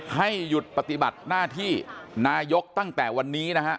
ให้หยุดปฏิบัติหน้าที่นายกตั้งแต่วันนี้นะฮะ